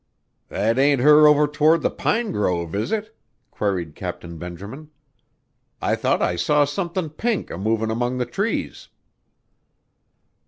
"That ain't her over toward the pine grove, is it?" queried Captain Benjamin. "I thought I saw somethin' pink a movin' among the trees."